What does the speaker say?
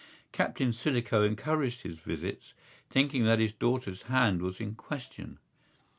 Captain Sinico encouraged his visits, thinking that his daughter's hand was in question.